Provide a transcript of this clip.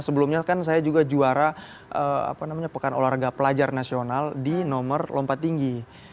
sebelumnya kan saya juga juara pekan olahraga pelajar nasional di nomor lompat tinggi